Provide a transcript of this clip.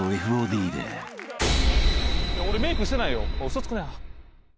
俺メークしてないよ嘘つくなよ。